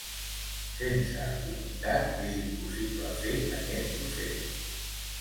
Sense unitat és impossible fer aquest procés.